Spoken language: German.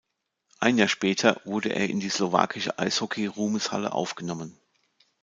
Ein Jahr später wurde er in die slowakische Eishockey-Ruhmeshalle aufgenommen.